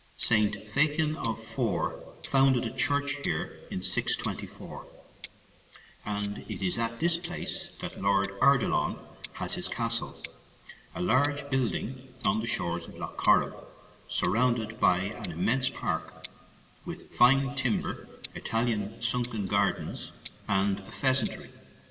St. Fechin, of Fore, founded a church here in 624, and it is at this place that Lord Ardilaun has his castle, a large build ing on the shores of Lough Corrib, sur rounded by an immense park, with fine timber, Italian sunken gardens, and a pheasantry.